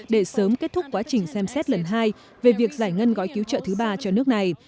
để sớm kết thúc quá trình xem xét lần hai về việc giải ngân gói cứu trợ thứ ba cho nước này